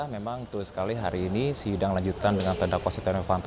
memang betul sekali hari ini sidang lanjutan dengan terdakwa setia novanto